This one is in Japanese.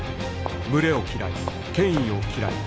群れを嫌い権威を嫌い